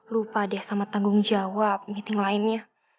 lupa deh sama tanggung jawab meeting lainnya